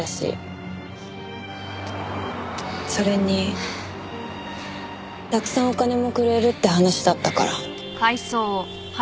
それにたくさんお金もくれるって話だったから。